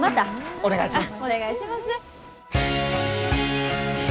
お願いします。